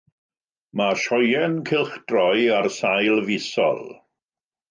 Mae sioeau'n cylchdroi ar sail fisol.